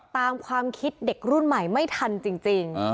ตามความคิดเด็กรุ่นใหม่ไม่ทันจริง